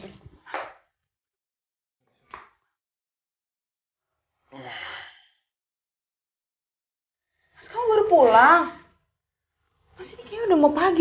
gigi terlihat ini ya